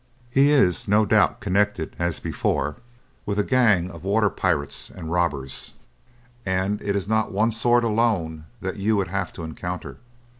He is no doubt connected, as before, with a gang of water pirates and robbers, and it is not one sword alone that you would have to encounter.